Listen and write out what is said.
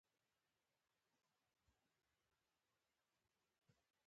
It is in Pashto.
هغې غږ کړ سلسلې لورې وه سلسلې.